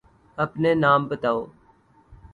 أپنے نام بتاؤ۔